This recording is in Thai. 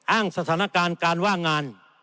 อ้างสถานการณ์การว่างงาน